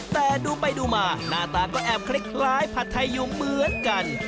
แต่ดูไปดูมาหน้าตาก็แอบคล้ายผัดไทยอยู่เหมือนกัน